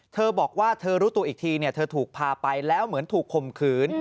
เธอบอกว่าเธอรู้ตัวอีกทีเธอถูกพาไปแล้วเหมือนถูกข่มขืน